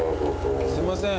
すいません。